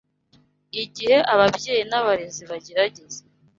Igihe ababyeyi n’abarezi bagerageza